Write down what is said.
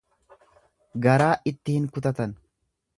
Garaa itti hin kutatan.